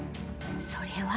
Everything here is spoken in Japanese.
それは。